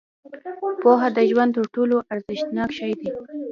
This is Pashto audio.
• پوهه د ژوند تر ټولو ارزښتناک شی دی.